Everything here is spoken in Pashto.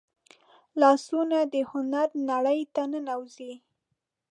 لاسونه د هنر نړۍ ته ننوځي